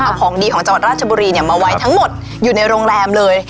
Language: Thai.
เอาของดีของจังหวัดราชบุรีมาไว้ทั้งหมดอยู่ในโรงแรมเลย